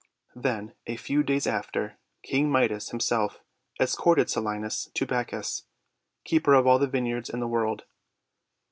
Then a few days after, King Midas himself escorted Silenus to Bacchus, Keeper of All the Vineyards in the World.